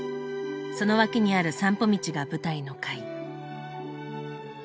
その脇にある散歩道が舞台の回。